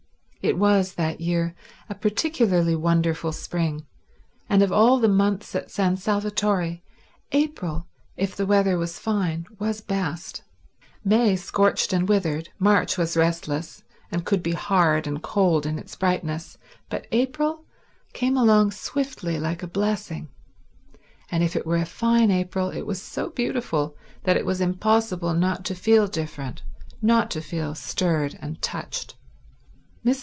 It was, that year, a particularly wonderful spring, and of all the months at San Salvatore April, if the weather was fine, was best. May scorched and withered; March was restless, and could be hard and cold in its brightness; but April came along softly like a blessing, and if it were a fine April it was so beautiful that it was impossible not to feel different, not to feel stirred and touched. Mrs.